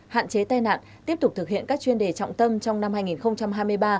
hạn chế tai nạn tiếp tục thực hiện các chuyên đề trọng tâm trong năm hai nghìn hai mươi ba